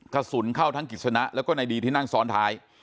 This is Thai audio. กระสุนเข้าทั้งกิจสนะแล้วก็ในดีที่นั่งซ้อนท้าย